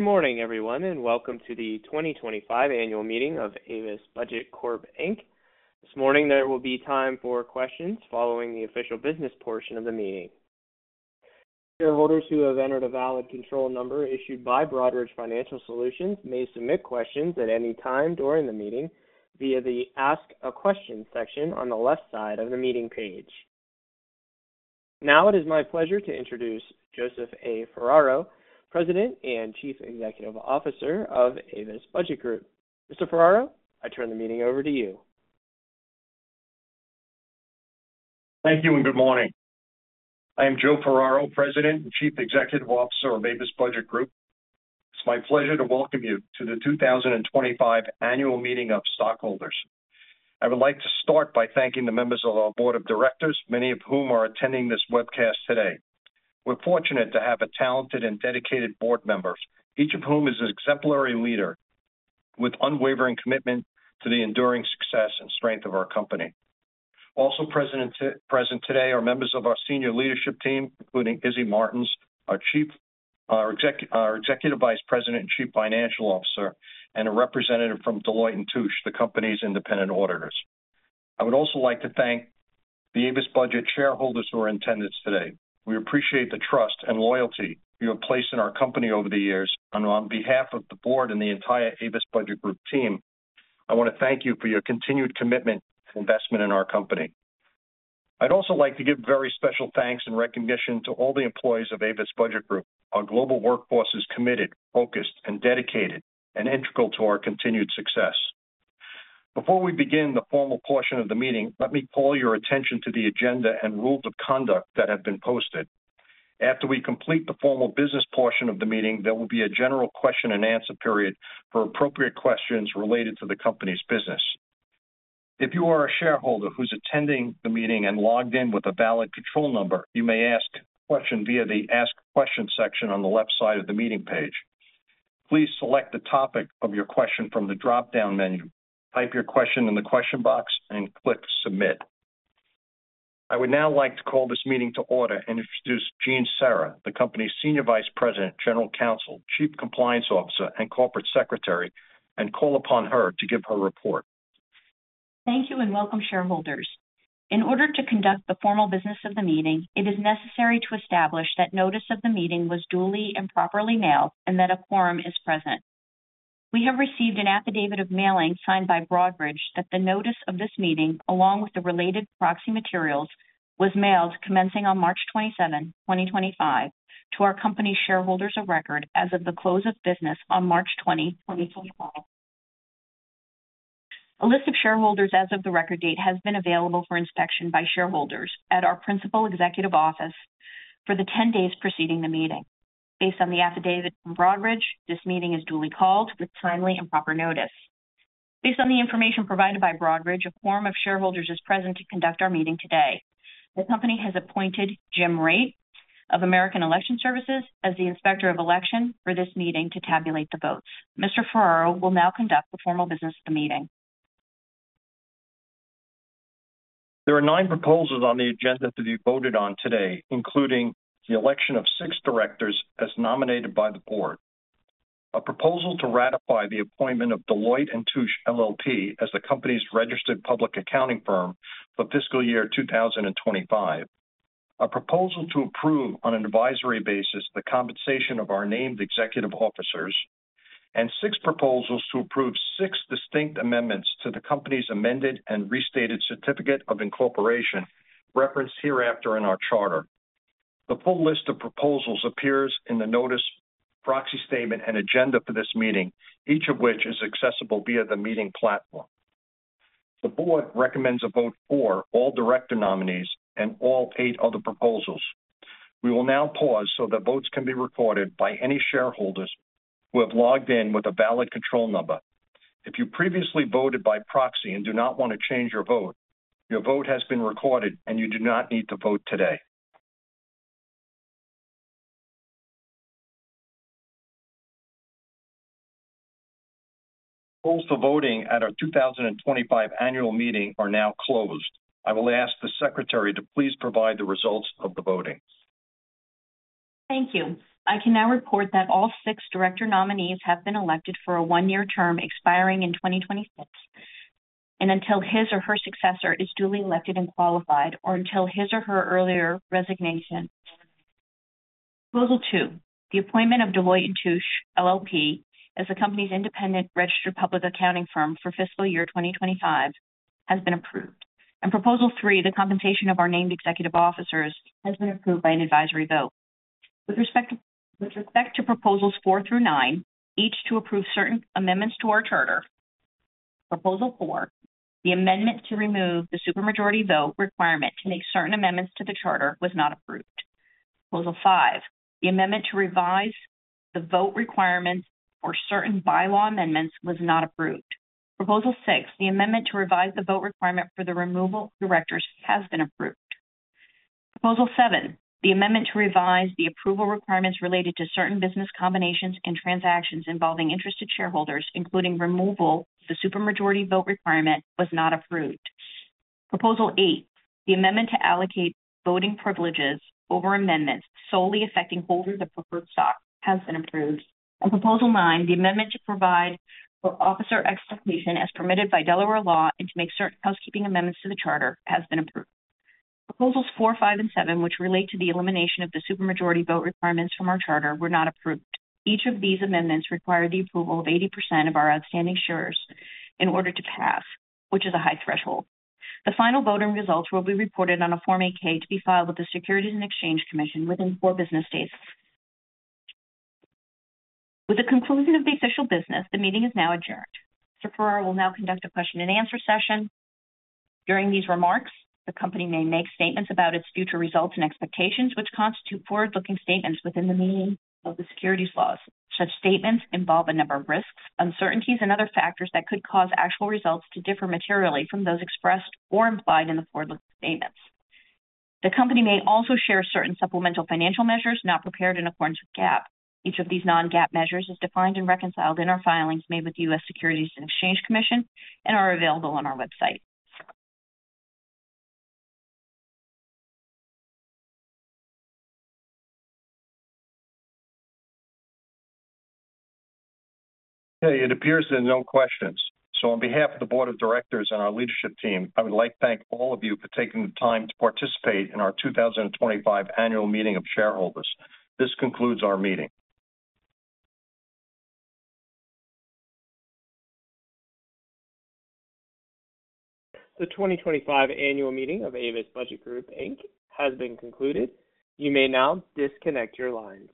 Good morning, everyone, and welcome to the 2025 Annual Meeting of Avis Budget Group. This morning, there will be time for questions following the official business portion of the meeting. Shareholders who have entered a valid control number issued by Broadridge Financial Solutions may submit questions at any time during the meeting via the Ask a Question section on the left side of the meeting page. Now, it is my pleasure to introduce Joseph A. Ferraro, President and Chief Executive Officer of Avis Budget Group. Mr. Ferraro, I turn the meeting over to you. Thank you, and good morning. I am Joe Ferraro, President and Chief Executive Officer of Avis Budget Group. It's my pleasure to welcome you to the 2025 annual meeting of stockholders. I would like to start by thanking the members of our Board of Directors, many of whom are attending this webcast today. We're fortunate to have a talented and dedicated board member, each of whom is an exemplary leader with unwavering commitment to the enduring success and strength of our company. Also present today are members of our senior leadership team, including Izzy Martins, our Executive Vice President and Chief Financial Officer, and a representative from Deloitte & Touche, the company's independent auditors. I would also like to thank the Avis Budget shareholders who are in attendance today. We appreciate the trust and loyalty you have placed in our company over the years, and on behalf of the board and the entire Avis Budget Group team, I want to thank you for your continued commitment and investment in our company. I'd also like to give very special thanks and recognition to all the employees of Avis Budget Group, our global workforce who are committed, focused, and dedicated, and integral to our continued success. Before we begin the formal portion of the meeting, let me call your attention to the agenda and rules of conduct that have been posted. After we complete the formal business portion of the meeting, there will be a general question-and-answer period for appropriate questions related to the company's business. If you are a shareholder who's attending the meeting and logged in with a valid control number, you may ask a question via the Ask Questions section on the left side of the meeting page. Please select the topic of your question from the drop-down menu, type your question in the question box, and click Submit. I would now like to call this meeting to order and introduce Jean Serra, the company's Senior Vice President, General Counsel, Chief Compliance Officer, and Corporate Secretary, and call upon her to give her report. Thank you, and welcome, shareholders. In order to conduct the formal business of the meeting, it is necessary to establish that notice of the meeting was duly and properly mailed and that a quorum is present. We have received an affidavit of mailing signed by Broadridge that the notice of this meeting, along with the related proxy materials, was mailed commencing on March 27, 2025, to our company's shareholders of record as of the close of business on March 20, 2025. A list of shareholders as of the record date has been available for inspection by shareholders at our principal executive office for the 10 days preceding the meeting. Based on the affidavit from Broadridge, this meeting is duly called with timely and proper notice. Based on the information provided by Broadridge, a quorum of shareholders is present to conduct our meeting today. The company has appointed Jim Raitt of American Election Services as the Inspector of Election for this meeting to tabulate the votes. Mr. Ferraro will now conduct the formal business of the meeting. There are nine proposals on the agenda to be voted on today, including the election of six directors as nominated by the board, a proposal to ratify the appointment of Deloitte & Touche LLP as the company's registered public accounting firm for fiscal year 2025, a proposal to approve on an advisory basis the compensation of our named executive officers, and six proposals to approve six distinct amendments to the company's amended and restated certificate of incorporation referenced hereafter in our charter. The full list of proposals appears in the notice, proxy statement, and agenda for this meeting, each of which is accessible via the meeting platform. The board recommends a vote for all director nominees and all eight other proposals. We will now pause so that votes can be recorded by any shareholders who have logged in with a valid control number. If you previously voted by proxy and do not want to change your vote, your vote has been recorded, and you do not need to vote today. The polls for voting at our 2025 annual meeting are now closed. I will ask the Secretary to please provide the results of the voting. Thank you. I can now report that all six director nominees have been elected for a one-year term expiring in 2026, and until his or her successor is duly elected and qualified, or until his or her earlier resignation. Proposal two, the appointment of Deloitte & Touche LLP as the company's independent registered public accounting firm for fiscal year 2025, has been approved. Proposal three, the compensation of our named executive officers has been approved by an advisory vote. With respect to proposals four through nine, each to approve certain amendments to our charter. Proposal four, the amendment to remove the supermajority vote requirement to make certain amendments to the charter was not approved. Proposal five, the amendment to revise the vote requirement for certain by-law amendments was not approved. Proposal six, the amendment to revise the vote requirement for the removal of directors has been approved. Proposal seven, the amendment to revise the approval requirements related to certain business combinations and transactions involving interested shareholders, including removal of the supermajority vote requirement, was not approved. Proposal eight, the amendment to allocate voting privileges over amendments solely affecting holders of preferred stock, has been approved. Proposal nine, the amendment to provide for officer explication as permitted by Delaware law and to make certain housekeeping amendments to the charter, has been approved. Proposals four, five, and seven, which relate to the elimination of the supermajority vote requirements from our charter, were not approved. Each of these amendments required the approval of 80% of our outstanding shares in order to pass, which is a high threshold. The final voting results will be reported on a Form 8-K to be filed with the Securities and Exchange Commission within four business days. With the conclusion of the official business, the meeting is now adjourned. Mr. Ferraro will now conduct a question-and-answer session. During these remarks, the company may make statements about its future results and expectations, which constitute forward-looking statements within the meaning of the securities laws. Such statements involve a number of risks, uncertainties, and other factors that could cause actual results to differ materially from those expressed or implied in the forward-looking statements. The company may also share certain supplemental financial measures not prepared in accordance with GAAP. Each of these non-GAAP measures is defined and reconciled in our filings made with the U.S. Securities and Exchange Commission and are available on our website. Okay, it appears there are no questions. On behalf of the Board of Directors and our leadership team, I would like to thank all of you for taking the time to participate in our 2025 Annual Meeting of Shareholders. This concludes our meeting. The 2025 Annual Meeting of Avis Budget Group has been concluded. You may now disconnect your lines.